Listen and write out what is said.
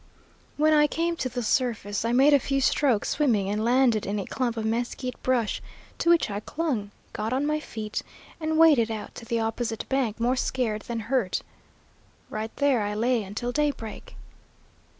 When I came to the surface I made a few strokes swimming and landed in a clump of mesquite brush, to which I clung, got on my feet, and waded out to the opposite bank more scared than hurt. Right there I lay until daybreak.